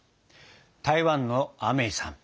台湾のアメイさん